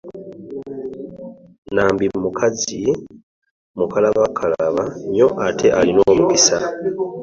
Nambi mukazi mukalabakalaba nnyo ate alina omukisa.